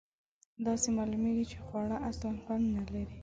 داسې معلومیږي چې خواړه اصلآ خوند نه لري.